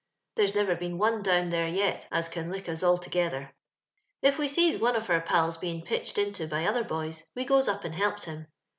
There's never been one down there yet n can lick us all together. If we sees one of our pals heang pitdied into by other boys, we goes up and helps him.